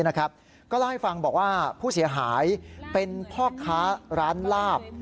ก็เล่าให้ฟังบอกว่าผู้เสียหายเป็นพ่อค้าร้านลาบ